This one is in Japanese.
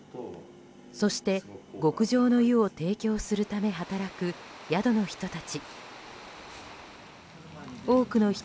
そして極上の湯を提供するため働く、宿の人たち。